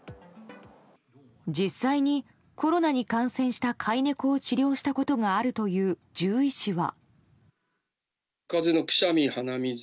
実際に、コロナに感染した飼い猫を治療しことがあるという獣医師は。